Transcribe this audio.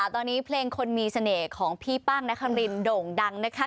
ตอนนี้เพลงคนมีเสน่ห์ของพี่ป้างนครินโด่งดังนะคะ